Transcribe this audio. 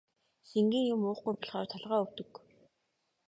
Шингэн юм уухгүй болохоор толгой өвдөг.